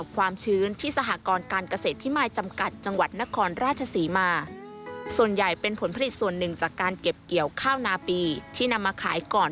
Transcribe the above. เกี่ยวข้าวนาปีที่นำมาขายก่อน